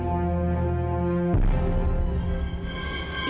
kamu masih mau